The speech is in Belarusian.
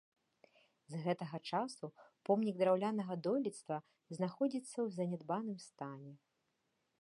З гэтага часу помнік драўлянага дойлідства знаходзіцца ў занядбаным стане.